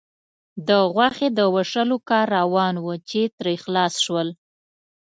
د غوښې د وېشلو کار روان و، چې ترې خلاص شول.